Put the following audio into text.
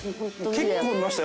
結構見ましたよ